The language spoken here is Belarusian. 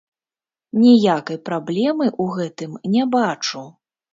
Ніякай праблемы ў гэтым не бачу.